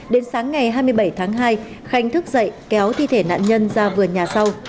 đến sáng ngày hai mươi bảy tháng hai khanh thức dậy kéo thi thể nạn nhân ra vườn nhà sau